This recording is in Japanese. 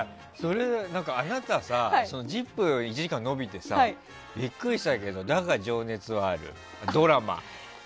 あなたさ「ＺＩＰ！」が１時間延びてさびっくりしたけど「だが、情熱はある」、ドラマ。